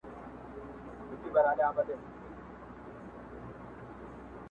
• ځئ چي ځو همدا مو وار دی وخت د کار دی روانیږو -